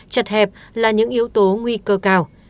chật hẹp là những yếu tố nguy cơ cao